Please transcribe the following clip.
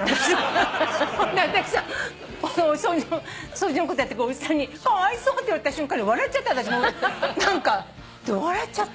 私さ掃除のことやってくれるおじさんに「かわいそう」って言われた瞬間に笑っちゃって私も。笑っちゃって。